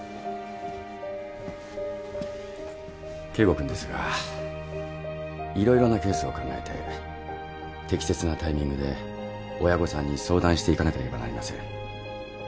圭吾君ですが色々なケースを考えて適切なタイミングで親御さんに相談していかなければなりません。